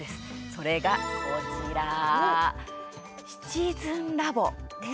それがこちら「シチズンラボ」です。